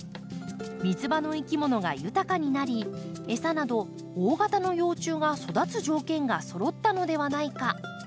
水場のいきものが豊かになりエサなど大型の幼虫が育つ条件がそろったのではないかとのことです。